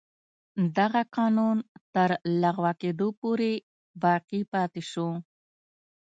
دغه قانون تر لغوه کېدو پورې باقي پاتې شو.